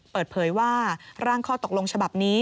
เปิดเผยว่าร่างข้อตกลงฉบับนี้